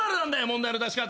問題の出し方。